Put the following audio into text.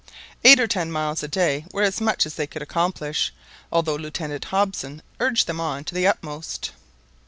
Eight or ten miles a day were as much as they could accomplish, although Lieutenant Hobson urged them on to the utmost.